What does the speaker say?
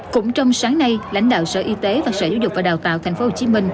cũng trong sáng nay lãnh đạo sở y tế và sở giáo dục và đào tạo tp hcm